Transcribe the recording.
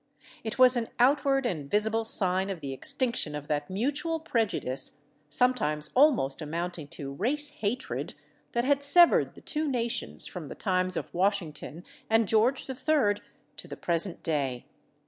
It was an outward and visible sign of the extinction of that mutual prejudice, sometimes almost amounting to race hatred, that had severed the two nations from the times of Washington and George III. to the present day.